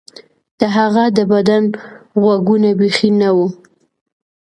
د هغه د بدن غوږونه بیخي نه وو